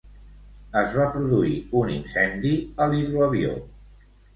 Es va produir un incendi a l'hidroavió.